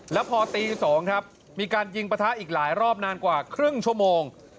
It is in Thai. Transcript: แล้วพอตี๒ครับมีการยิงประทะอีกหลายรอบนานกว่าครึ่งชั่วโมง